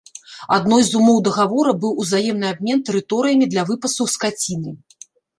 Адной з умоў дагавора быў узаемны абмен тэрыторыямі для выпасу скаціны.